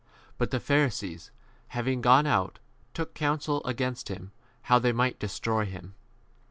But the Pharisees, having gone out, took counsel against him how they might destroy him.